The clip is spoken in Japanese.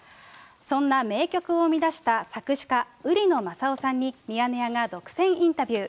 そんな名曲を生み出した作詞家、売野雅勇さんにミヤネ屋が独占インタビュー。